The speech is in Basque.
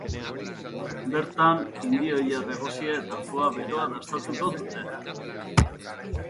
Bertan, indioilar egosia eta foie beroa dastatuko dute.